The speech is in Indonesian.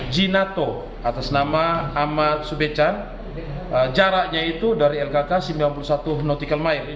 jinato atas nama ahmad subecan jaraknya itu dari lkk sembilan puluh satu nautical midd